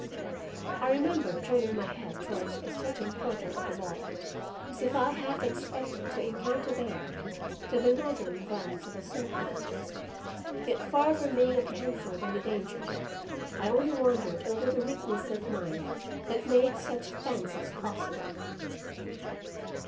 I remember turning my head towards a certain quarter of the wall as if I half expected to encounter there the bewildering glance of a serpent. Yet far from being apprehensive of any danger, I only wondered over the weakness of mind that made such fancies possible.